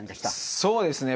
そうですね。